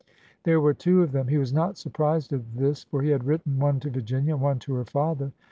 There were two of them. He was not surprised at this, for he had written one to Virginia and one to her father.